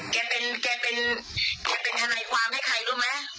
แกเป็นแกเป็นแกเป็นทนายความให้ใครรู้ไหม